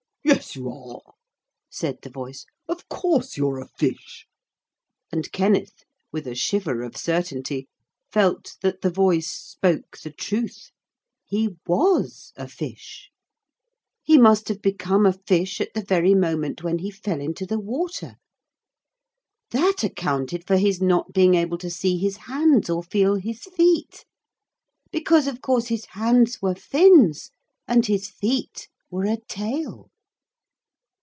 'Yes, you are,' said the voice, 'of course you're a fish,' and Kenneth, with a shiver of certainty, felt that the voice spoke the truth. He was a fish. He must have become a fish at the very moment when he fell into the water. That accounted for his not being able to see his hands or feel his feet. Because of course his hands were fins and his feet were a tail.